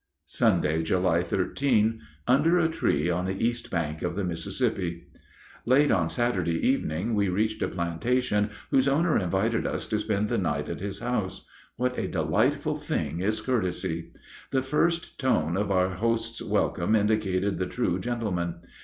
Sunday, July 13. (Under a tree on the east bank of the Mississippi) Late on Saturday evening we reached a plantation whose owner invited us to spend the night at his house. What a delightful thing is courtesy! The first tone of our host's welcome indicated the true gentleman.